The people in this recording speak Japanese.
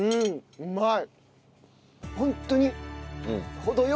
うまい。